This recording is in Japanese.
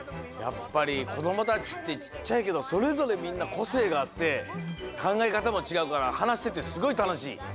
やっぱりこどもたちってちっちゃいけどそれぞれみんなこせいがあってかんがえかたもちがうからはなしててすごいたのしい。